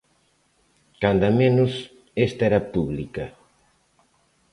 Canda menos esta era pública.